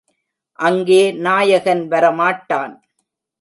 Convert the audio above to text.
அங்கே நாயகன் வரமாட்டான்.